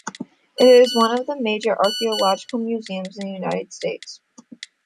It is one of the major archaeological museums in the United States.